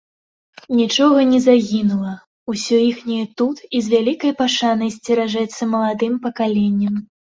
Нічога не загінула, усё іхняе тут і з вялікай пашанай сцеражэцца маладым пакаленнем.